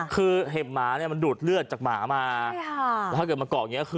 คือเห็บหมาเนี่ยมันดูดเลือดคือวตามาถบเหมือนไหกบัท